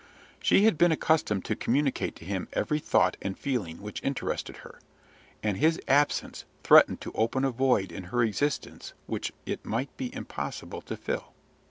She had been accustomed to communicate to him every thought and feeling which interested her, and his absence threatened to open a void in her existence which it might be impossible to fill.